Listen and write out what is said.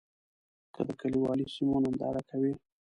که د کلیوالي سیمو ننداره کوې.